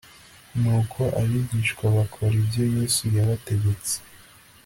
Nuko abigishwa bakora ibyo Yesu yabategetse